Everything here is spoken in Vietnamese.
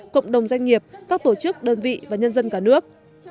cộng đồng doanh nghiệp các tổ chức đơn vị và nhân dân cả nước